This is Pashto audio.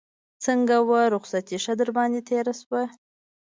څنګه وه رخصتي ښه در باندې تېره شوه.